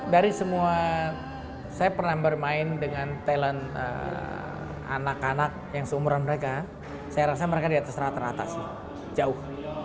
dari semua saya pernah bermain dengan talent anak anak yang seumuran mereka saya rasa mereka di atas rata rata sih jauh